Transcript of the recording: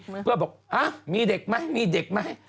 พวกเขาบอกมีเด็กไหมมีเด็กไหม